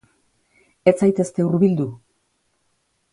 Ez zaitezte hurbildu.